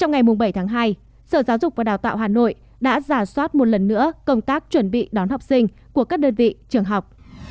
ngày bảy tháng hai sở giáo dục và đào tạo hà nội đã giả soát một lần nữa công tác chuẩn bị đón học sinh của các đơn vị trường học